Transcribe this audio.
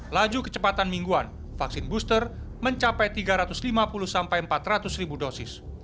laju kecepatan mingguan vaksin booster mencapai tiga ratus lima puluh empat ratus ribu dosis